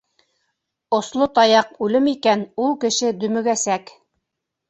Осло таяҡ үлем икән — ул кеше дөмөгәсәк.